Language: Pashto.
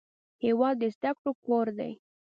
هېواد د زده کړو کور دی.